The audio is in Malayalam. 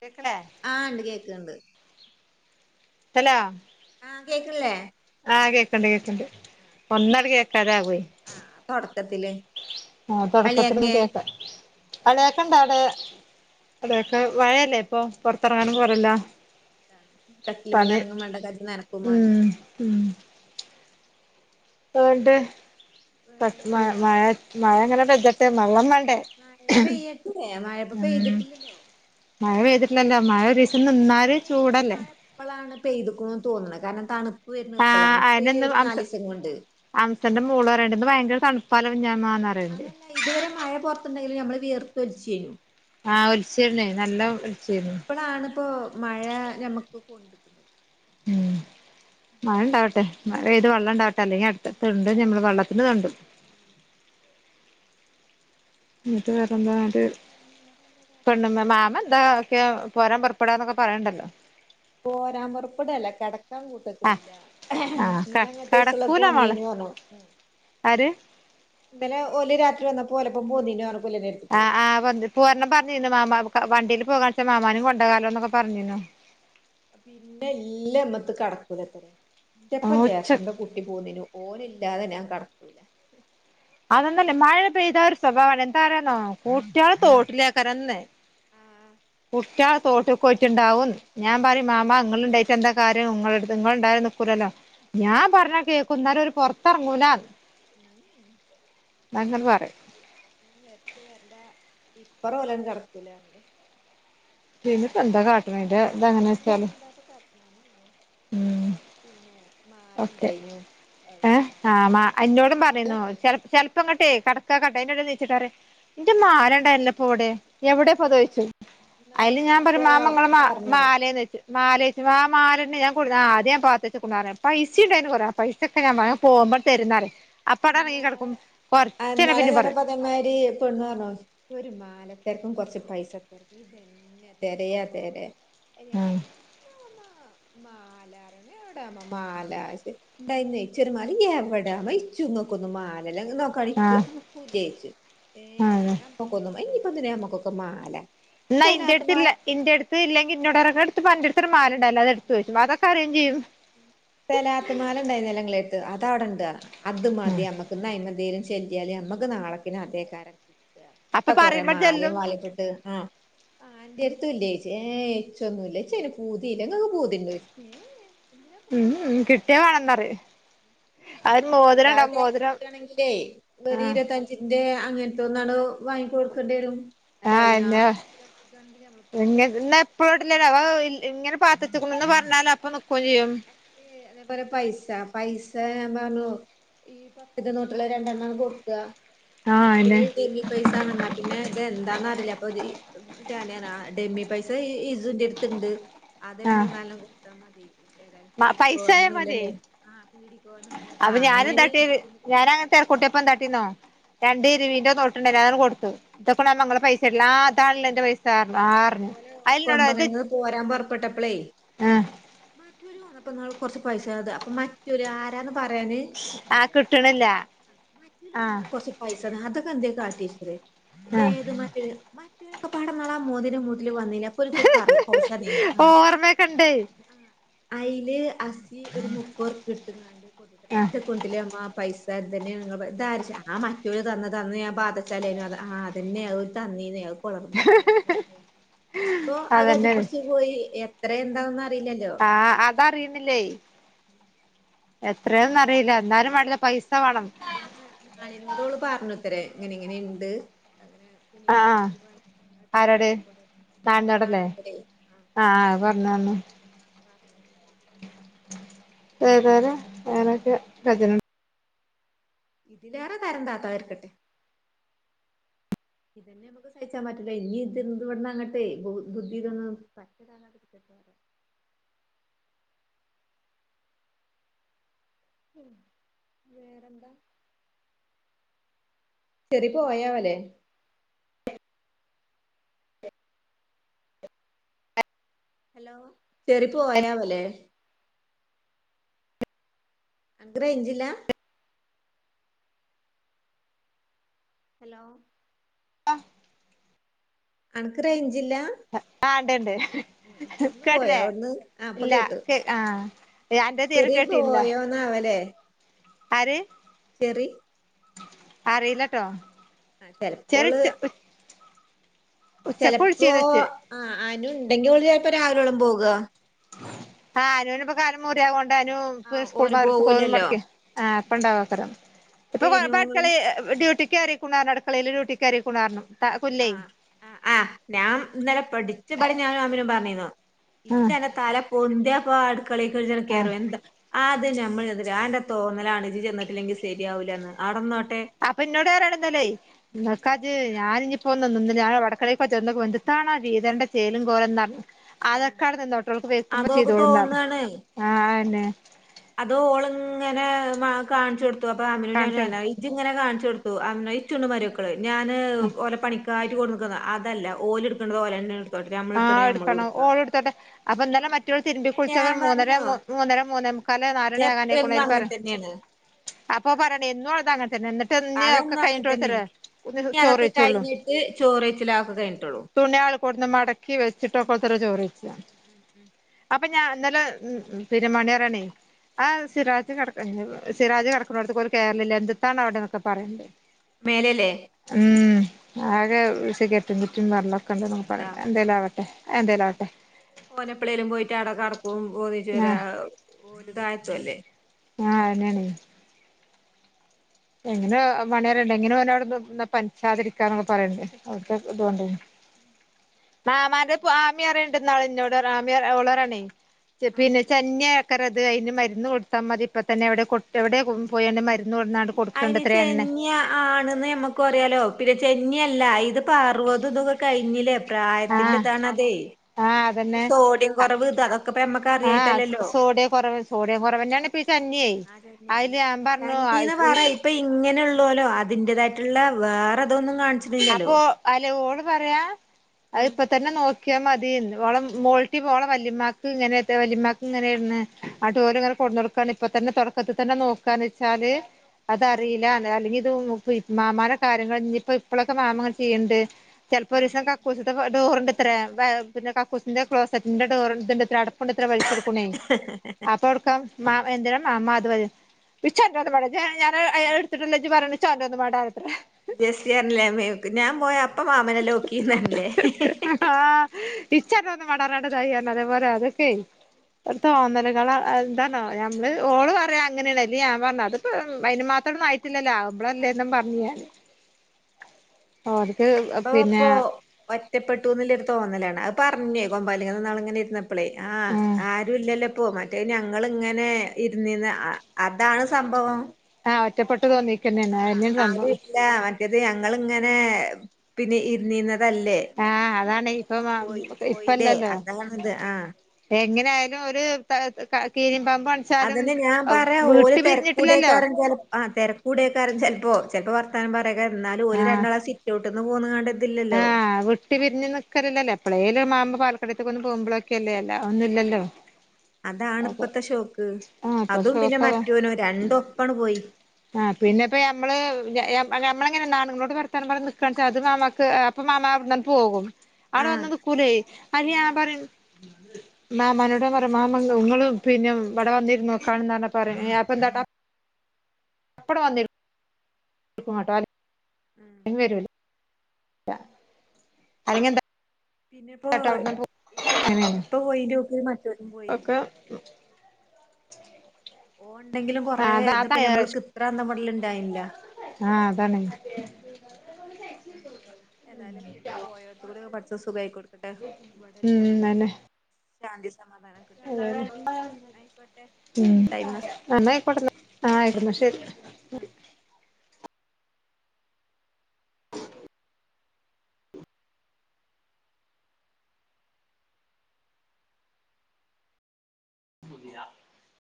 കേ‌ക്കിളെ ആഹ് ഇണ്ട് കേക്ക്ണ്ട് ഹലോ ആഹ് കേക്കണില്ലേ ആഹ് കേക്കണ്ട് കേക്കണ്ട് ഒന്നത് കേക്കാതാഗുവേ ആഹ് തൊടക്കത്തില് ആഹ് തൊടക്കത്തിലൊന്ന് അളിയാക്കെ കേക്കാ [unintelligible] അവിടെ ആഹ് അടയൊക്കെ വഴയല്ലേ ഇപ്പൊ പൊറത്തിറങ്ങാനും കുറവില്ല കട്ടിലുമന്ന് ഇറങ്ങും വേണ്ട കജ്ജ് നനക്കും വേണ്ട ഉം ഉം [unintelligible] മഴ വേറെന്താ മഴ മഴ ഇങ്ങനെ പെദ്ദട്ടെ മെള്ളം വേണ്ടേ മഴ പെയ്യട്ടില്ലേ മഴിപ്പ ഉം പെയ്തട്ടില്ലല്ലേ മഴ പെയ്തിട്ടല്ലല്ലോ മഴ ഒരിസ് ശരിക്കും മഴ ഇപ്പളാണ് പെയ്തേക്കണൂന്ന് തോന്നണ് കാരണം തണു വരുന്ന ആഹ് ഇപ്പളാണ് ഇപ്പൊ ഈ അയന്നെന്ന് ഒരു അംസ നാലിസം കൊണ്ട്. അംസന്റെ മോള് പറയണിണ്ട് ഇന്ന് ഭയങ്കര തണുപ്പാല്ല കുഞ്ഞാമാന്ന് പറയെണ്ട്. ല്ല ഇതുവരെ മഴ പുറത്തെണ്ടെങ്കില് ഞമ്മള് വിയർത്തൊലിച്ചു ചെയ്യും. ആഹ് [unintelligible] നല്ല ഒളിച്ചേരുന്നു ളാണിപ്പോ മഴ ഞമ്മുക്ക് കൊണ്ട് ഉം മഴ ഇണ്ടാവട്ടെ മഴ പെയ്ത് വെള്ളം ഇണ്ടാവട്ടെ അല്ലെങ്കി അടുത്ത തൊണ്ട് ഞമ്മളെ വെള്ളത്തിനതൊണ്ട് ഉം എന്നിട്ട് വേറെന്ത ഒരു പെണ്ണമ്മ മാമ എന്താ ഒക്കെയോ പോരാൻ പറ ഇപ്പടാന്നൊക്കെ പറയെണ്ടല്ലോ പോരാൻ പറപ്പെടല്ല കിടക്കാൻ ആഹ് കൂട്ടക്കണില്ല ആഹ് ക ഇന്നലെ അങ്ങട്ടെസ്ള്ളൊക്കെ കടക്കൂല മോളെ വന്നീനു പറഞ്ഞു ഇം ആര് ന്നലെ ഓല് രാത്രി വന്നപ്പോലപ്പം പൊന്നീനു [unintelligible] ആഹ് ആഹ് [unintelligible] ഇപ്പൊരെണ്ണം പറഞ്ഞിരുന്നു മാമാക്ക് പ വണ്ടിയില് പോകാൺച്ച മാമാനും കൊണ്ടോകാല്ലോന്നൊക്കെ പറഞ്ഞിരുന്നു. പിന്നെ ഇല്ലമ്മത്ത് കടക്കൂല അത്രേ ഇന്റെപ്പൻ ഉച്ച ജാഫറിന്റെ കു കട്ടി പോന്നേനു ഓനില്ലാതെ ഞാൻ കെടക്കൂല്ല അതന്നല്ലേ മഴ പെയ്ത ഒരു സ്വഭാവാണ് എന്താ പറന്നോ കൂട്ട്യാള് തോട്ടിലേക്കെറന്ന് [unintelligible] തോട്ടി പോയിട്ടിണ്ടാവും. ഞാൻ പറയും മാമ നിങ്ങളിണ്ടായിട്ട് എന്താ കാര്യം നിങ്ങളടുത്ത് നിങ്ങളെണ്ടായും നിക്കൂലല്ല ഞാൻ പറഞ്ഞ കേക്കുന്നരം ഒരു പൊറത്തിറങ്ങൂലാന്ന് [inaudible] ഞങ്ങൾ പറിം ഞാൻ വരച്ച വരണ്ട് ഇപ്പറ പോലും കടക്കൂല അല്ലേ ഇനിപ്പെന്താ കാ ഇന്ന ഇത്‌ ഇതങ്ങനെ [inaudible] ഉം പിന്നേ ഓക്കെ ഏഹ് ആഹ് മ എന്നോടും മാല പറഞ്ഞിരുന്നു ഇണ്ടായിനു ചെലപ് ചെല ഇപ്പ അങ്ങട്ടെ കടക്ക കടേലൊരു നീച്ചക്കാരൻ ഇന്റെ മാല ഇണ്ടായ്ല്ലപ്പൊ ഇവിടെ എവിടെയാ പൊ അത് തോച്ചു ഇന്നാള് അതില് ഞാൻ പറ ചെന്നപ്പഴാ മാമങ്ങളെ മാ പറഞ്ഞു മാലേന്ന് വെച്ചു മാലേ [unintelligible] ആ മാലണ്ട് ഞാൻ കൊടു ആ അത് ഞാൻ പാത്തേച്ച്ക്ക്ണ്റ്ഞു പൈസീണ്ടായിന്ന് കൊറെ പൈ ഒ [unintelligible] ക്കെ ഞാൻ പറയും പോകുമ്പോതരുന്നറിം അപ്പങ്ടറങ്ങി കടക്കും കൊറചെയിഞ പിന്നെ പറയും. അത് മാരി ഒരു പെണ്ണ് പറഞ്ഞു ഒരു മാലത്തേർക്കും കൊറച്ച് പൈസത്തർക്കും ഇ ന്നെ തെരയാ തെര ഉം മാലാറ എവിടമ്മ മാലാ ഉണ്ടയിര്ന്നൊയ് ച്ചൊരുമാല എവിടാവോയ് ഇ ച്ച ങ്ങക്കൊന്നും മാലല്ല നോക്കാണി ആഹ് അൻക്കും ഇല്ലെ ചോയ്ച്ച് ഏ. ആഹ് ക്കൊന്നും ഇഞിപ്പെന്തിന ഞമ്മക്കൊക്ക മാല. ന്നാ സലാത്ത് മാല ഇന്റെടത്ത്ല്ലെ ന്റെടുത്ത് ല്ലെങ്കി ഇന്നോട്റാക്കാരം എട്തുപോ അൻ്റെര്തൊരു മാലണ്ടാര്ന്ന്ലെ അതെടുത്തു ചോയ്ച്ചൂം അതൊ കരീൻചെയ്യും സലാത്ത്മാല ണ്ടായിന്നല്ലോ ങ്ങളെര്ത് അത് അവടെണ്ട്ർഞു അത് ഉം മതി നമ്മക്ക്. ഇന്ന് അയ്മഎന്തേങ്കിലും ചെല്ലിയാൽ നമ്മക്ക് നാളെക്കിന് അതേയ്കാരം. എത്ത അപ്പൊ കൊറെ പറയുമ്പട് മാലീ. ചെല്ലും വളീകട്ട് ആ. ആഹ് അൻ്റെര്ത്തൂല്ലെച്ച് ഏ ഇച്ചൊന്നുല്ല ച്ചയിന് പൂതീല്ല ങ്ങക്ക് പൂതിണ്ടോയ്ച്ചു. എന്തിനാപ്പാ ഉം കൂറെ ഉം മാല കിട്ടിയ ഹ് ഹ് വേണംന്നറിയും അപ്പൊ ഞാൻ അതൊരു പറാ വല്ലാതെ മോതിരണ്ടാവും തെർക്ക് മോതിരം കൂട്ടണെങ്കിൽ ഒരു ആഹ് ഇരുപത്തഞ്ച് ന്റെ അങ്ങനത്തെ ഒന്നാണ് വാങ്ങി കൊടുക്കേണ്ടിരും. അല്ല ആഹ് അയിനൊ [unintelligible] പു കിട്ടണെങ്കി ഞമ്മളിപ്പോ? ഇത് ന്നെ ഇപ്പോട്ട്ലല്ലോ അപ്പോ ഇങ്ങനെ പാത്തേച്ച്ക്കുണൂന്ന് പറഞ്ഞാലപ്പൊ നിക്കും ചെയ്യും. ഏ അതേപോലെ പൈസ പൈസ ഞാൻ പറഞ്ഞു. ഈ പത്തിന്റെ നോട്ട്ള്ള രണ്ടെണ്ണാങ് കൊടുക്ക. ആഹ് അല്ലെങ്കിൽ അന്നെ പിന്നെ ഇ മി പൈസാണന്നാ പിന്നെ ത് എന്താന്നറീയല്ല അപ്പൊ ഇതി [unintelligible] സന ഡെമ്മി പൈസ ഈ ഇസൂന്റെര്ത്ത്ണ്ട് അതൊരു ആഹ് മൂന്നാൽണം കൊടുത്താമതി ഏതായാലും പീടിക്കോവാനൊ പൈസായ മതിയേ ന്നുല്ലലൊ ആ പീടിക്കോവാനൊല്ല ആ അങ്ങനെണ് ബുദ്ധിമുട്ട്. തെരക്കൂട്ടിയപ്പോ എന്താട്ടിന്നോ രണ്ട് ഇരുവീന്റെ നോട്ട്ണ്ടയ്ന്നു അതാണ്ട് കൊടുത്ത് ഇതാക്ക്ണു മ്മ പൈസഎല്ലാ താൺല്ലെ ന്റെ പൈസാറ്ഞ്ഞു ആറ്ഞ്ഞു അതുപോലെ അയില്നോട് ത് കൊമ്പങ്കന്ന് പോരാൻ പുറപ്പെട്ടപ്പളേ ആഹ് മറ്റൊര് വന്നപ്പോ ന്നാള് കൊറച്ച് പൈസത് അപ്പൊ മറ്റൊല് ആരാന്ന് പറയാന്. ആഹ് കിട്ടുണ്ല്ല കിട്ടണില്ല ആ മറ്റൊൽ ആഹ് വന്നപ്പോ കൊറച്ച് പൈസ അതൊക്കെ എന്തെ കാട്ടീഒയിചുത്രെ. ആഹ് ഏത് മറ്റൊല് മറ്റൊരൊക്പാടെ ന്നാളാമോന്തിൻ്റെ മൂട്ടില് വന്നില്ലെ അപ്പൊ ഓൽരുക്കൊന്ന് പറ പൈസ മതീന്ന് ആ ഓർമ്മയൊക്കെ ഇണ്ട് അയില് അസി ഒരു മുപ്പുർപ്പി എടുത്ത്ക്കാണ്ട് കൊടുതൂതരെ ആഹ് ത കുൻടിലെ മ്മാ പൈസ. [unintelligible] താര് തന്നെയ ഇങ്ങൾ ഇതാര് [unintelligible] വെച്ചതാ ആ മറ്റൊര് തന്നത് അന്ന് ഞാൻ പാതേചലെയ്നോ അത് ആ അതന്നെ അത് ഓൽ തന്നീന്ന്. കോളർമയില്ലാതെ അപ്പൊ അത് അതന്നെണ് കൈപിടിച്ച് പോയി എത്ര എന്താന്നും അറിയില്ലല്ലോ ആഹ് അതറീണിയുല്ലൈ. എത്രയാന്നറിയില്ല ന്നാലുംവേണ്ടില്ല പൈസ അത് വേണം. പിന്നെ അള്യനോടോള് പറഞ്ഞുത്തരെ ങ്ങനി ങ്ങനിം ണ്ട്. അങ്ങനെ ആഹ് കുഞിക്കാശ്പത്രി പോകാൻ ആ അതായ്കോട്ടെ. [unintelligible] താന്നോടല്ലേ ആഹ് അത് പറഞ്ഞു പറഞ്ഞു. പറഞ്ഞോ [inaudible] ഏതായാലും അങ്ങനെ ഒക്കെ കജ്ജ്ണ്ട് ഇതിലേറെ തരം താത്താതിര്ക്കട്ടെ. ഇതന്നെ ഞമ്മക്ക് സഹിച്ചാ പറ്റൂല്ല ഇനി ഇതിന്ന് വ്ട്ന്നങ്ങ്ട്ടൈ ബു ബുദ്ധി തൊന്നും പറ്റ [unintelligible] കുറ്റക്കാരാ ഉഉം വേറെന്താ? ഷെറി പോയാവല്ലേ? ഹലോ ഷെറി പോയാവോലെ? അനക്ക് റെയിഞ്ച്? ല്ലാ ഹലോ [unintelligible] അണക്ക് റേഞ്ചില്ല ആഹ് ഉണ്ട് ഉണ്ട് ഒന്ന് പോയോ കേട്ടില്ലേ ഒന്ന് ആ ഇപ്പൊ ഇല്ല കേട്ടു ആഹ് ഇഅന്റെ തീരെ കേട്ടില്ല ന്നാവല്ലേ ആര് ചെറി അറിയില്ലട്ടോ ആഹ് ചെറി ചിലപ്പോള് ഉച്ചക്ക് ചിലപ്പോ വിളിച്ചീന്ന് ഇച്ച് ആ അനും ഉണ്ടെങ്കിൽ ഓള് ചിലപ്പോ രാവിലെ ള്ളൂ പോകുക ആഹ് അനുവിന്പ്പൊ കാലമ്മെ മുറിയാവോണ്ട് അനു- ഇപ്പ ആഹ് സ്കൂൾ ഓന് മദ്രസ്‌ പോവൂലല്ലോ മുടക്കി ആ ഇപ്പണ്ടാവക്കരം ഇപ്പൊ റീനു കുഴപ്പ അടുക്കളയിൽ ഡ്യൂട്ടിക്ക് കേറീകക്ക് ണ് അടുക്കളയില് ഡ്യൂട്ടിക്കറീക്ക്ണ് ന്ന്‌ പറഞ്ഞു കുല്ലേ ആഹ് ആഹ് ആഹ് ഞാൻ ഇന്നലെ പഠിച്ച പടി ഞാനും ആമിനും പറഞ്ഞിന് ആ ഇജ്ജ് അന്റെ തല പൊന്തിയ പാ അടുക്കളയിൽ ആ കയറും എന്താ അതെ ഞാമ്മൾ അന്റെ തോന്നലാണ് ജ്ജ് ചെന്നിട്ടില്ലെങ്കിൽ ശരിയാവില്ലന്ന് അവിടന്നോട്ടെ ബാപ്പ ഇന്നോട് പറയാണ് ന്താലെ നോക്കാജ് ഞാനിനി പോന്ന് ഞാൻ വടക്കണിക്ക് ചെന്നോപ്പ എന്തന്നാ വീതനന്റെ ചേലും കോലന്ന പറഞ്ഞ് അതൊക്കവിടെ നിന്നോട്ടെ ഓൾക്ക് വെയ്ക്കുമ്പോ അതോക്ക് ചെയ്തോളും ന്താലും തോന്നാണ് ആഹ് ന്നെ അത് ഓളിങ്ങനെ കാണിച്ചു കൊടുത്തു അപ്പൊ കാണിച്ചോട് അങ്ങനെ [unintelligible] ഇജ്ജ് ഇങ്ങനെ കാണിച്ചു കൊടുത്തു ഇച്ചുണ്ട് മരുമക്കള് ഞാന് ഓലെ പണിക്കായിട്ട് കൊടു അതല്ല ഓലെടുക്കേണ്ടത് ഓല ന്നെ എട് ആഹ് എടുക്കണം ഓള് എടുത്തോട്ടെ അപ്പൊ ഇന്നലെ മറ്റൊൾ തിരുമ്പി കുളിച്ചപ്പോ ഞാൻ മൂന്നര പറഞ്ഞു മൂന്നര മൂന്നെ മുക്കൽ നാലണി അതെപ്പ ആകാനയിക്ക്ണ് എന്നും ഒരു അങ്ങനെ പോര- തന്നെയാണ് അപ്പൊ പറയണെ എന്നും ഓൾതങ്ങനെ തന്നെ എന്നി തന്ന ഒക്കെ അതെന്നും അങ്ങനെ കഴിഞ്ഞിട്ട് ഒള്ളോതേരെ തന്നെയാണ് ഒന്ന് ഇനി ചോറ് അതൊക്കെ വൈച്ചുള്ളു കഴിഞ്ഞിട്ട് ചോറെയ്ച്ചില് അതൊക്കെ കഴിഞ്ഞിട്ടുള്ളൂ തുണി ആൾ കൊടുന്ന് മടക്കി ഉം വെച്ചിട്ടൊക്കള്ളൂ തരേ ഉം ഉം ചോറ് വൈച്ച ഉം ഉം അപ്പൊ ഞാൻ ഇന്നലെ ഉം പിന്നെ മണി പറയാണെ ആഹ സിരാജ് കടക്ക സിറാജ് കടക്കുന്നട് ത്തേക്ക് കേറൽ ഇല്ല എന്ത്‌ത്താണ് അവിടെന്നൊക്കെ പറയ്ണ് ണ്ട്. മേലേല്ലേ ഉം ആകെ സിഗരറ്റ് ആഹ് കുറ്റി വേറെള്ള തൊക്കെ ഉണ്ടെന്ന പിന്നെന്താ പറയുന്ന എന്തിലാവട്ടെ ആഹ് എന്തെലാവട്ടെ ഓനപ്പള്ളേലും പോയിട്ട് അവിടെ കടക്കും ഓണിച്ചവര ആഹ് ഓല് താഴത്തും അല്ലേ ആഹ് അയ്നാണ് എങ്ങനെ മണിയറണ്ട് എങ്ങനെ അവിടെ പനിച്ചാതിരിക്കാന്നൊക്കെ പറയണ്ട് അവിത്തെ ഇതുകൊണ്ട് മാമാന്റെ ആമിയറണ്ട് നാളിന്നോട് ആമ്യ ഓളെപറേണ് ആഹ് പിന്നെ ചെന്നി ആകരം ത് അതിന് മരുന്ന് കൊടുത്താൽ മതി ഇപ്പ തന്നെ എവിടെ കൊ എവിടെ പോയണ്ട് മരുന്ന് കൊടുന്ന് കൊട് അയ്ന് ചെന്നി ആണെന്ന് നമുക്ക് അറിയാലോ പിന്നെ ചെന്നി അല്ല ഇത് ഇപ്പോ അറുപതു ഇതൊക്കെ കഴിഞ്ഞില്ലേ ആഹ് പ്രായത്തിന്റെതാണതെ ആഹ് അതന്നെ ആഹ് ഇപ്പ ഞമ്മക്ക് ആഹ് അറിയായിട്ടല്ലല്ലോ സോഡിയം കൊറവ് സോഡിയം കൊറവിന്റെയാണ് പ ഈ ചന്നി ആ ചെന്നി അയില് പിന്നെ ഞാൻ പറഞ്ഞ് അ ചന്നീന്ന് പറ ഇപ്പൊ ഇങ്ങനെ ഉള്ളലോ അതിന്റതായിട്ടുള്ള വേറെതോന്നും കാണി അപ്പൊ അല്ല ഓൾ പറയാ ആഹ് അതിപ്പ തന്നെ നോക്കിയാൽ മതീന്ന് ഓളെ മോൾട്ടി ഓളെ വല്യമാക്കിങ്ങനെ വല്യമാക്ക് ഇങ്ങനെയാരുന്നു ആട്ടോൽ ഇങ്ങനെ കൊണ്ടു കൊടുക്കാണ് ഇപ്പൊ തന്നെ തുടക്കത്തി തന്നെ നോക്കാന്ന് വെച്ചാല് ആഹ് അതറിയില്ല അല്ലെങ്കിൽ ഇത് മാമാന്റെ കാര്യങ്ങൾ ഞ്ഞിപ്പ അപ്പോഴൊക്കെ മാമങ്ങനെ ചെയ്യണ്ട് ചിലപ്പോ ഒരു ആഹ് ദിവസം കക്കൂസത്തെ ഡോറിന്റെ അത്ര കക്കൂസിന്റെ ക്ലോസറ്റിന്റെ ഡോറി ന്റെ ത്രെ അട ക്കുണ്ടത്ര വലിച്ചെടുക്കുണേ അപ്പ എടുക്കാ മാ എന്തിനാ മാമ്മ അത് ഇച്ചോന്റൊന്നും മാണ്ട ഇജ് ഞാനത് അ അയ് ഇട്ത്ത്ട്ടെല്ലെ ജ് പറ്യണേ ച്ച് ഓന്റൊന്നും മാണ്ടാന്ന്ത്രേ ജസ്റ്റ്ണല്ലേ അമ്മേക്ക് ഞാൻ പോയ അപ്പ മാമനല്ല നോക്കിന്നല്ലേ ഇച്ചന്റൊന്നും മാണ്ടാർഞ്ഞാണ്ട് തായിർഞ്ഞ് അതേ പോലെ അതൊക്കെ ഇ ഉം തോന്നലകൾ എന്താണോ ഞമ്മള് ആഹ് ഓള് പറയാ അങ്ങനെയല്ലേ ഞാൻ പറഞ്ഞു അത്പ്പ അന് മാത്രം ഇല്ലില്ല അവളല്ലേ പറഞ്ഞേ സംഭവ പിന്നെ അപ്പൊ ഒറ്റപ്പെട്ടു എന്നുല്ലരു തോന്നലാണ് അത് പറഞ്ഞേ ഇവൻ പെരേൽ ഒരു നാള് ഇങ്ങനെ ഇരുന്നപ്പോ പ്പളെ ആഹ ഉം ആരു ഇല്ലല്ലേ പോ മ റ്റേ ഞങ്ങള്ങ്ങനെ ഇര്ന്നീന്ന് അ അതാണ് സംഭവം ആഹ് ഒറ്റപ്പെട്ട് തോന്നീക്കന്നെ ആഹ് അ [inaudible] ആരും സംഭവം ഇല്ല മറ്റേത് ഞങ്ങള് ഇങ്ങനെ പിന്നെ ഇരുന്നീര്ന് അതല്ലേ ആഹ് അതാണ് ഇപ്പൊ പോയി പോയില്ലേ അതാണിത് ആഹ എങ്ങെനെ ആയാലും ഒര് ത ക കീരിം പാമ്പു ആണ് അതിന് ഞാൻ പറയാ ഓര് തെരക്കൂടിയക്കാരും ആഹ് തെരെക്കൂടെയ്ക്കാരം ചെൽപ്പോ ചെൽപ്പാെ വർത്താന് പറ്യേയ്ക്കാരം ന്നാലും ഓല് ആഹ് രണ്ടാളും ആ സിറ്റൗ പെട്ടന്ന് പോന്ന കണ്ടിട്ടില്ലല്ലോ ആ വിട്ടിരിഞ്ഞഞ് നൽക്കലല്ലല്ലേ എപ്പളേല ഒരു ഉം മാവമ്പോ പാലക്കടത്തേൊ ഒന്ന് പോക്പോഴൊക്കെല്ല ഉം അല്ല ഒന്ന ഇല്ലോ അതാണ് ഇപ്പത്തെ ഷോക്ക് ആഹ് ഇപ്പൊ അതും പിന്നെ ഷോക്കതാ മറ്റാേനും രണ്ടും ഒപ്പാണ്ട് പോയി ആഹ പിന്നെ പ്പ നമ്മള് നമ്മളെങ്ങനെ ആണങ്ങളോട് വർത്താനം പറഞ്ഞ നിക അത് മാമാ അപ്പം മാമാ അവ്ടാന്ന് പോകും അവ്ടെ ആഹ് വന്ന് നിക്കൂലേ അയല് ഞാൻ പറിം [inaudible] മാമനോട പറയാ മാമ ഉങ്ങളും പിന്നെ ഇവിടെ വന്നിഇരുന്ന് നോക്കാണ് എന്ന പറയും അപ്പൊ എന്താട്ടാ [unintelligible] എപ്പടെ വന്നി [unintelligible] ട്ടാല് ഉം നിവരും അ അല്ലെങ്കിന്താ പിന്നെപ്പോ ഇ അങ്ങനെയാണ് ഇപ്പൊ പോയിന്റെക്ക ഒക്കെ ഓൻണ്ടെങ്കിലും ആഹ് കൊറേ അതാ അതാ ഇത്പ്പ ഞമ്മൾക്ക്‌ ഇത്ര അന്തംവിടല്ണ്ടായ്ന്ന്ലാ ആഹ അതണ് എന്നാലും പോയോടത്ത കൂടി ഒക്കെ പടചോൻ സുഖയി കൊടുക്കട്ടെ ഇവിടെ ഉം എല്ലോര്ക്ക്‌ അതന്നെ ശാന്തി സമാധാനം കിട്ടട്ടെ ന്നായ്ക്കോട്ടെ ഉം ടൈമ് കെ നാ ശരി [inaudible]